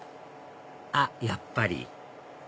あっやっぱり！